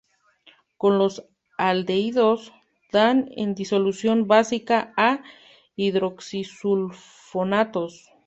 Con los aldehídos dan en disolución básica a-hidroxisulfonatos.